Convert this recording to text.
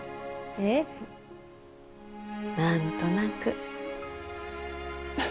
ええ何となく。